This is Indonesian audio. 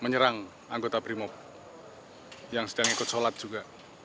yang sedang ikut salat juga